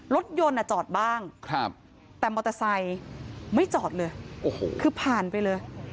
รถยนต์จอดบ้างแต่มอเตอร์ไซค์ไม่จอดเลยคือผ่านไปเลย